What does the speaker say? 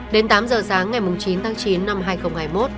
đến tám giờ sáng ngày chín tháng chín năm hai nghìn hai mươi một